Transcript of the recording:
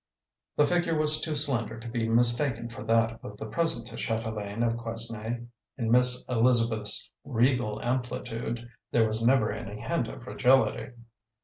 The figure was too slender to be mistaken for that of the present chatelaine of Quesnay: in Miss Elizabeth's regal amplitude there was never any hint of fragility.